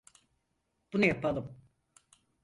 Bunu yapalım.